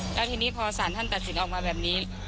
แล้วทีนี้พอสารท่านตัดสินออกมาแบบนี้